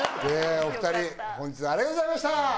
お二人本日はありがとうございました。